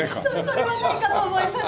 それはないかと思います